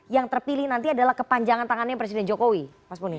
yang terpilih nanti adalah kepanjangan tangannya presiden jokowi